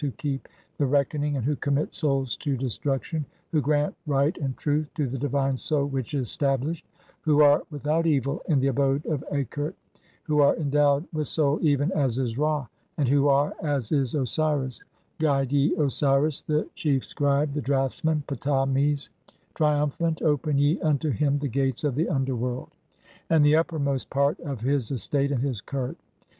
who keep the reckoning 'and who commit [souls] to (i3) destruction, who grant right 'and truth to the divine soul which is stablished, who are 'without evil in the abode of Akert, (14) who are endowed 'with soul even as is Ra, and who are as is Osiris, 'guide ye Osiris the chief scribe, the draughtsman, (15) Ptah mes, 'triumphant, open ye unto him the gates of the underworld, 206 THE CHAPTERS OF COMING FORTH BY DAY. "and the uppermost part of his estate and his Qert.